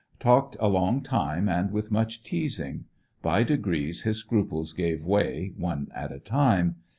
Talked a long time and with much teas ing. By degrees his scruples gave way, one at a time.